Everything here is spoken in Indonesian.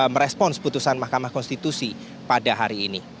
merespons putusan mahkamah konstitusi pada hari ini